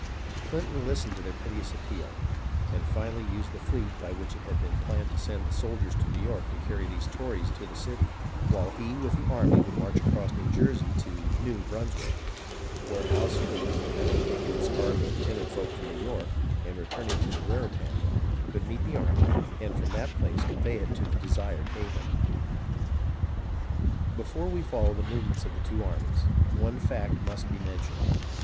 CHnton listened to their piteous appeal, and finally used the fleet by which it had been planned to send the soldiers to New York to carry these Tories to the city ; while he with the army would march across New Jersey to [New] Brunswick, where Howe's fleet, having taken its cargo of timid folk to New York, and returning to the Raritan, could meet the army, and from that place convey it to the desired haven. Before we follow the movements of the two armies, one fact must be mentioned.